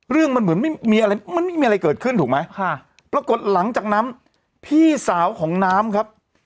เรื่องมันเหมือนไม่มีอะไรเกิดขึ้นถูกไหมปรากฏหลังจากน้ำพี่สาวของน้ำครับ